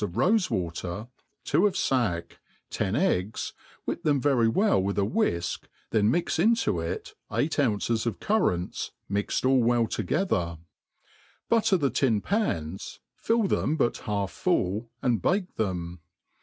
of rofe water, two of Qick, ten ^gga, whip them, very well * with a whifk, then mix into it eight ounces of currants, mix ed all well together j butter the tin pans, fill them but haU full, and bake them